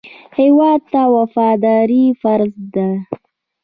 هېواد ته وفاداري فرض ده